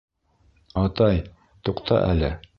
Атай, туҡта әле!